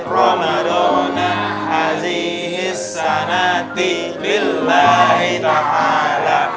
ramadanah azihisanati billahi ta'ala